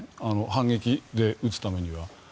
反撃で撃つためには。